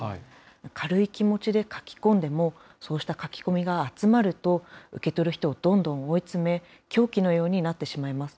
軽い気持ちで書き込んでも、そうした書き込みが集まると、受け取る人をどんどん追い詰め、凶器のようになってしまいます。